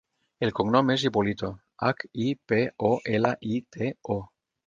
El cognom és Hipolito: hac, i, pe, o, ela, i, te, o.